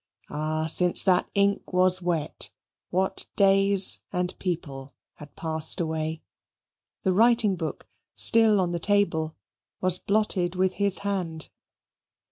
Ah! since that ink was wet, what days and people had passed away! The writing book, still on the table, was blotted with his hand.